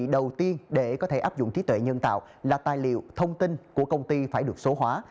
đầu tiên để có thể áp dụng trí tuệ nhân tạo là tài liệu thông tin của công ty phải được số hóa